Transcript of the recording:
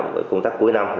với công tác cuối năm